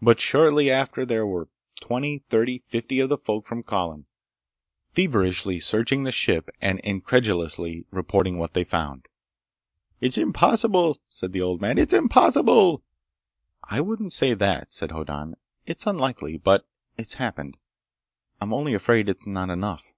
But shortly after there were twenty, thirty, fifty of the folk from Colin, feverishly searching the ship and incredulously reporting what they found. "It's impossible!" said the old man. "It's impossible!" "I wouldn't say that," said Hoddan. "It's unlikely, but it's happened. I'm only afraid it's not enough."